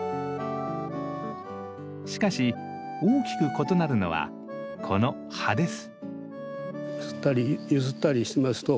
しかし大きく異なるのはこの葉です。